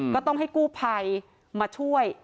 ก็ต้องให้กู้ภัยมาช่วย